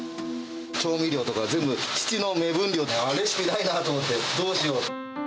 調味料とか、全部、父の目分量で、レシピないなと思って、どうしよう。